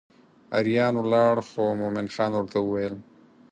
اریان ولاړ خو مومن خان ورته وویل.